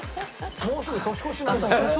もうすぐ年越しなんだから。